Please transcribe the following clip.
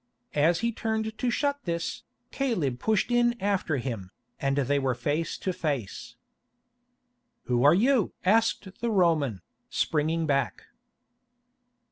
As he turned to shut this, Caleb pushed in after him, and they were face to face. "Who are you?" asked the Roman, springing back.